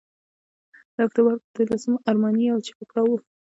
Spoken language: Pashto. د اکتوبر پر دوولسمه ارماني یو چاپ راوړ.